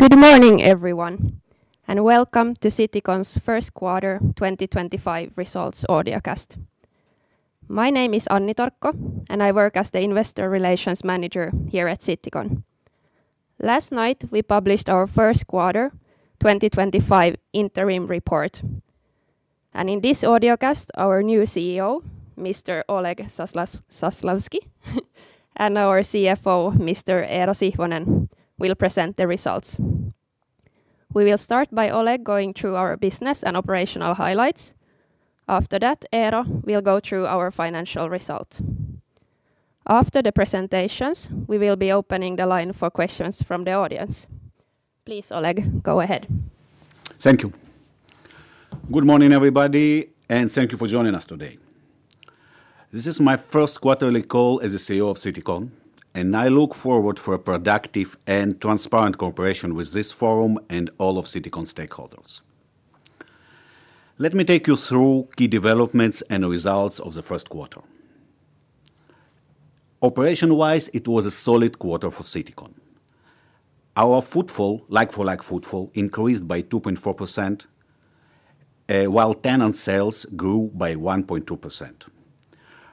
Good morning, everyone, and welcome to Citycon's First Quarter 2025 Results audiocast. My name is Anni Torkko, and I work as the Investor Relations Manager here at Citycon. Last night, we published our First Quarter 2025 Interim Report, and in this audiocast, our new CEO, Mr. Oleg Zaslavsky, and our CFO, Mr. Eero Sihvonen, will present the results. We will start by Oleg going through our business and operational highlights. After that, Eero will go through our financial results. After the presentations, we will be opening the line for questions from the audience. Please, Oleg, go ahead. Thank you. Good morning, everybody, and thank you for joining us today. This is my first quarterly call as the CEO of Citycon, and I look forward to a productive and transparent cooperation with this forum and all of Citycon's stakeholders. Let me take you through key developments and results of the first quarter. Operation-wise, it was a solid quarter for Citycon. Our footfall, like-for-like footfall, increased by 2.4%, while tenant sales grew by 1.2%.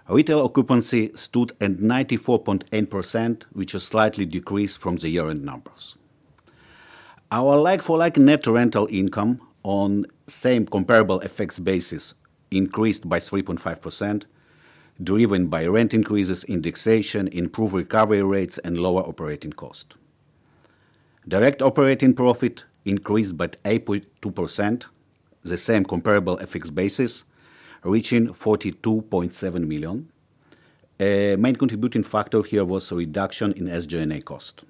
Retail occupancy stood at 94.8%, which is a slight decrease from the year-end numbers. Our like-for-like net rental income, on the same comparable FX basis, increased by 3.5%, driven by rent increases, indexation, improved recovery rates, and lower operating cost. Direct operating profit increased by 8.2%, the same comparable FX basis, reaching 42.7 million. A main contributing factor here was a reduction in SG&A cost.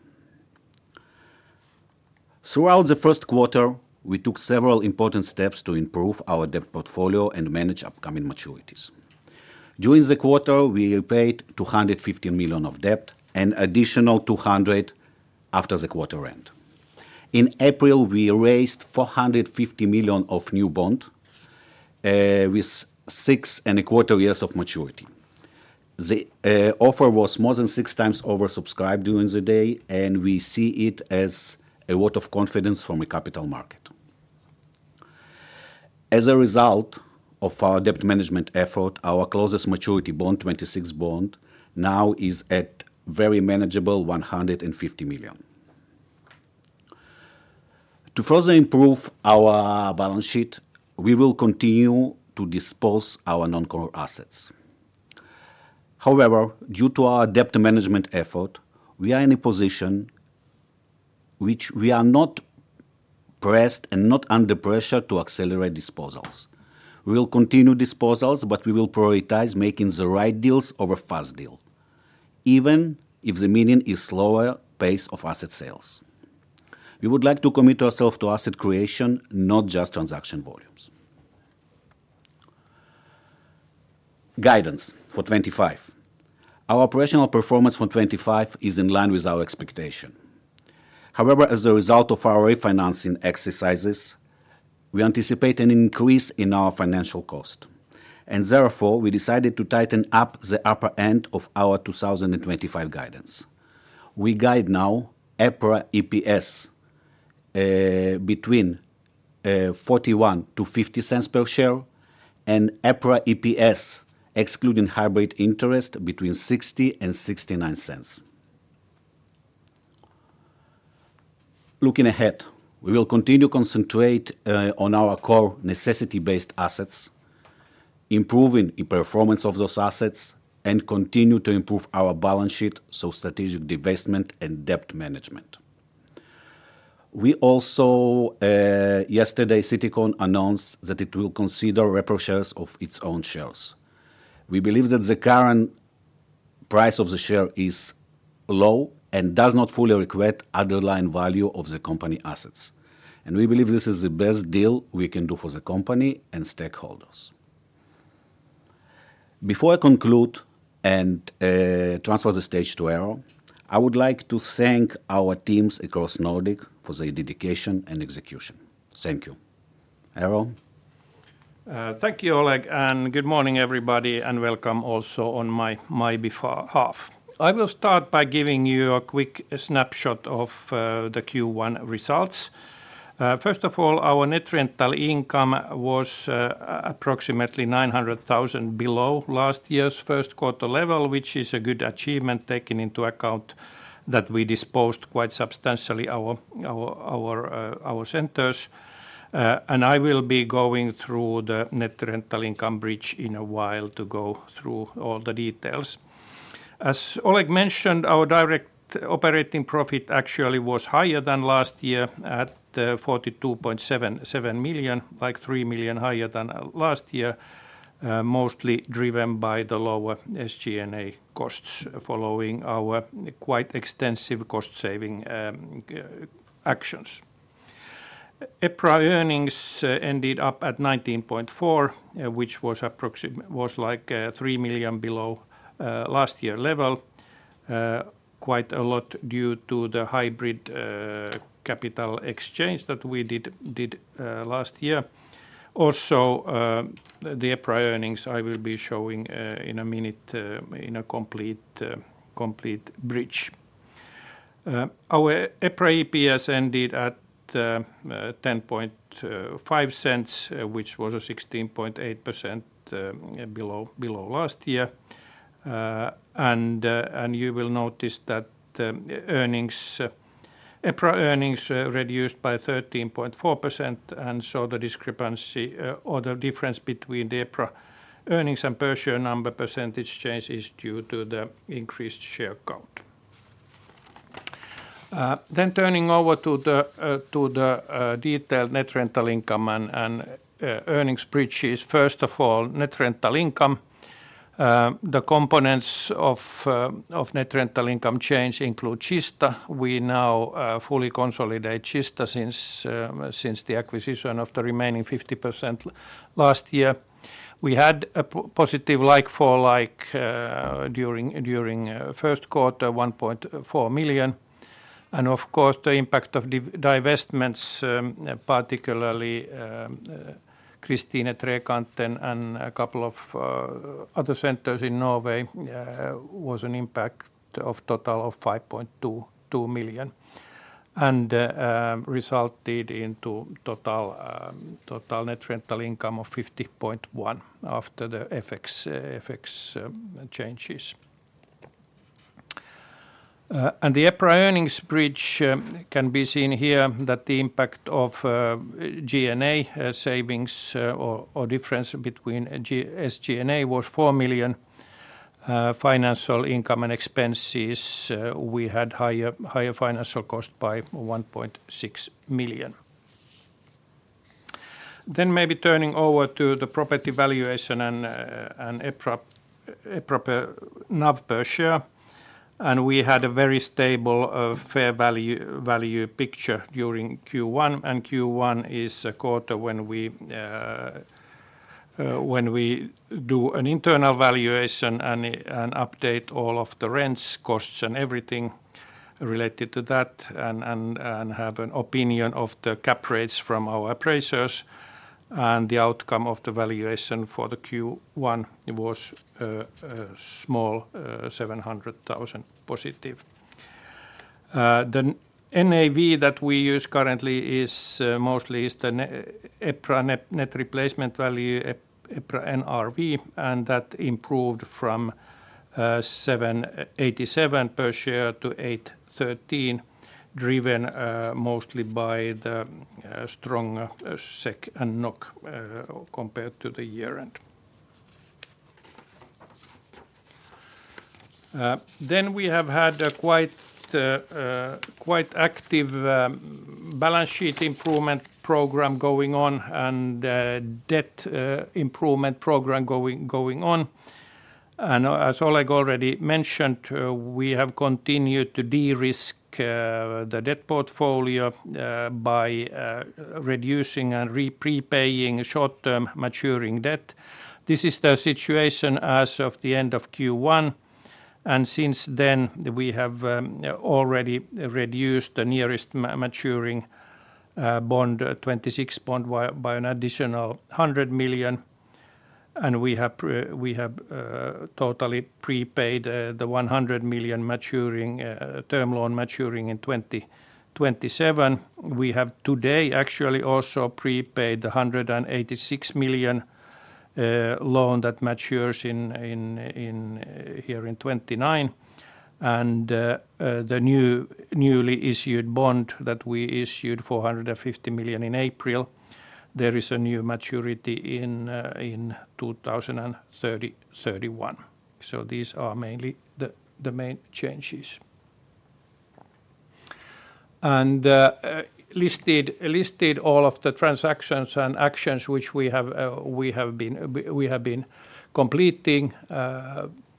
Throughout the first quarter, we took several important steps to improve our debt portfolio and manage upcoming maturities. During the quarter, we paid 215 million of debt and an additional 200 million after the quarter end. In April, we raised 450 million of new bonds with six and a quarter years of maturity. The offer was more than 6x oversubscribed during the day, and we see it as a vote of confidence from the capital market. As a result of our debt management effort, our closest maturity 2026 Bond, now is at a very manageable 150 million. To further improve our balance sheet, we will continue to dispose of our non-core assets. However, due to our debt management effort, we are in a position in which we are not pressed and not under pressure to accelerate disposals. We will continue disposals, but we will prioritize making the right deals over fast deals, even if the meaning is a slower pace of asset sales. We would like to commit ourselves to asset creation, not just transaction volumes. Guidance for 2025. Our operational performance for 2025 is in line with our expectations. However, as a result of our refinancing exercises, we anticipate an increase in our financial cost, and therefore we decided to tighten up the upper end of our 2025 guidance. We guide now EPRA EPS between 0.41-0.50 per share and EPRA EPS, excluding hybrid interest, between 0.60-0.69. Looking ahead, we will continue to concentrate on our core necessity-based assets, improving the performance of those assets, and continue to improve our balance sheet, so strategic divestment and debt management. We also, yesterday, Citycon announced that it will consider repurchase of its own shares. We believe that the current price of the share is low and does not fully reflect the underlying value of the company assets, and we believe this is the best deal we can do for the company and stakeholders. Before I conclude and transfer the stage to Eero, I would like to thank our teams across Nordic for their dedication and execution. Thank you. Eero? Thank you, Oleg, and good morning, everybody, and welcome also on my behalf. I will start by giving you a quick snapshot of the Q1 results. First of all, our net rental income was approximately EUR 900,000 below last year's first quarter level, which is a good achievement taking into account that we disposed quite substantially of our centers. I will be going through the net rental income bridge in a while to go through all the details. As Oleg mentioned, our direct operating profit actually was higher than last year at 42.7 million, like 3 million higher than last year, mostly driven by the lower SG&A costs following our quite extensive cost-saving actions. EPRA earnings ended up at 19.4 million, which was like EUR 3 million below last year's level, quite a lot due to the hybrid capital exchange that we did last year. Also, the EPRA earnings I will be showing in a minute in a complete bridge. Our EPRA EPS ended at EUR 0.105, which was 16.8% below last year. You will notice that EPRA earnings reduced by 13.4%, and so the discrepancy or the difference between the EPRA earnings and per share number percentage change is due to the increased share count. Turning over to the detailed net rental income and earnings bridges, first of all, net rental income. The components of net rental income change include Kista. We now fully consolidate Kista since the acquisition of the remaining 50% last year. We had a positive like-for-like during first quarter, 1.4 million. Of course, the impact of divestments, particularly Kristiine Keskus and a couple of other centers in Norway, was an impact of a total of 5.2 million, and resulted in total net rental income of 50.1 million after the FX changes. The EPRA earnings bridge [share] can be seen here that the impact of G&A savings or difference between SG&A was 4 million. Financial income and expenses, we had higher financial cost by 1.6 million. Maybe turning over to the property valuation and EPRA per share, we had a very stable fair value picture during Q1. Q1 is a quarter when we do an internal valuation and update all of the rents, costs, and everything related to that, and have an opinion of the cap rates from our appraisers. The outcome of the valuation for Q1 was a small 700,000 positive. The NAV that we use currently is mostly the EPRA net replacement value, EPRA NRV, and that improved from 787 per share to 813, driven mostly by the stronger SEK and NOK compared to the year-end. We have had a quite active balance sheet improvement program going on and debt improvement program going on. As Oleg already mentioned, we have continued to de-risk the debt portfolio by reducing and repaying short-term maturing debt. This is the situation as of the end of Q1, and since then we have already reduced the nearest maturing bond, 2026 Bond, by an additional 100 million, and we have totally prepaid the 100 million term loan maturing in 2027. We have today actually also prepaid the 186 million loan that matures here in 2029, and the newly issued bond that we issued, 450 million in April, there is a new maturity in 2031. These are mainly the main changes. I listed all of the transactions and actions which we have been completing.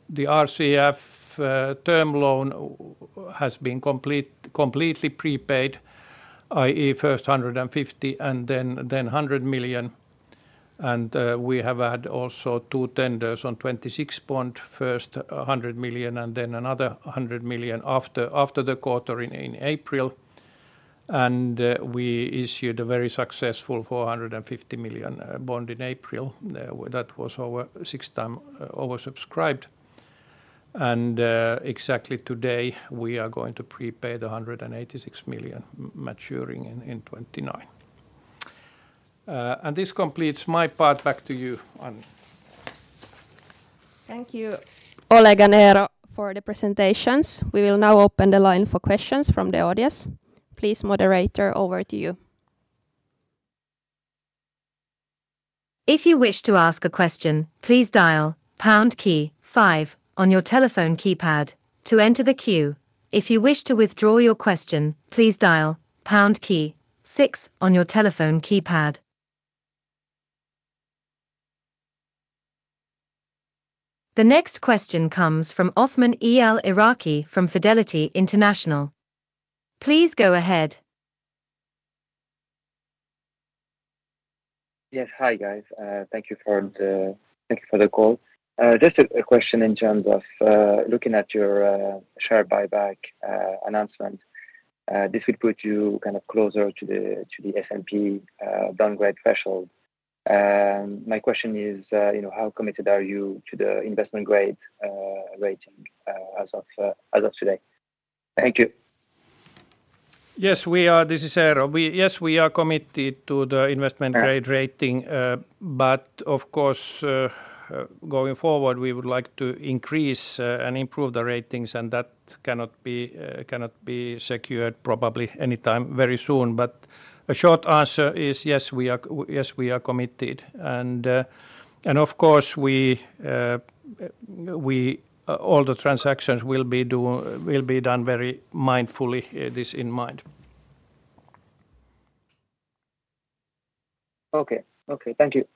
The RCF term loan has been completely prepaid, i.e., first 150 million and then 100 million, and we have had also two tenders 2026 Bond, first eur 100 million and then another 100 million after the quarter in April. We issued a very successful 450 million bond in April that was 6x oversubscribed. Exactly today we are going to prepay the 186 million maturing in 2029. This completes my part. Back to you, Anni. Thank you, Oleg and Eero, for the presentations. We will now open the line for questions from the audience. Please, moderator, over to you. If you wish to ask a question, please dial pound key five on your telephone keypad to enter the queue. If you wish to withdraw your question, please dial pound key six on your telephone keypad. The next question comes from Othman El Iraqi from Fidelity International. Please go ahead. Yes, hi guys. Thank you for the call. Just a question in terms of looking at your share buyback announcement. This would put you kind of closer to the S&P downgrade threshold. My question is, how committed are you to the investment grade rating as of today? Thank you. Yes, we are. This is Eero. Yes, we are committed to the investment grade rating, but of course, going forward, we would like to increase and improve the ratings, and that cannot be secured probably anytime very soon. A short answer is yes, we are committed. Of course, all the transactions will be done very mindfully, this in mind. Okay, okay. Thank you.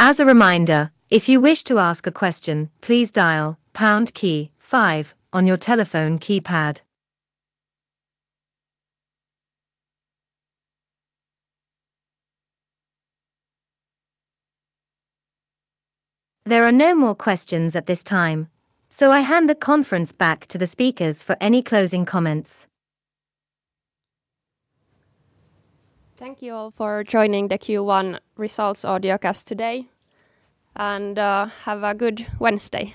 As a reminder, if you wish to ask a question, please dial pound key five on your telephone keypad. There are no more questions at this time, so I hand the conference back to the speakers for any closing comments. Thank you all for joining the Q1 results audiocast today, and have a good Wednesday.